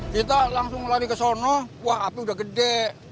kita langsung lari ke sana wah api udah gede